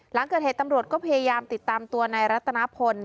หลังเกิดเหตุตำรวจก็พยายามติดตามตัวนายรัตนพล